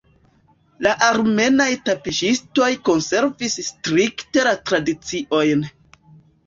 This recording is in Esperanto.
La armenaj tapiŝistoj konservis strikte la tradiciojn.